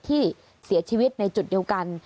ที่เสียชีวิตในจุดเดียวกัน